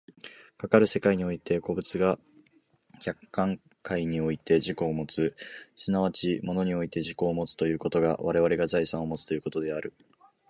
かかる世界において個物が客観界において自己をもつ、即ち物において自己をもつということが我々が財産をもつということである。